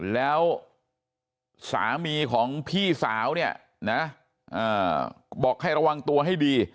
แล้วสามีของพี่สาวเนี่ยนะบอกให้ระวังตัวให้ดี